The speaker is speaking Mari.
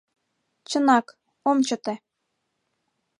Чынак, ом чыте!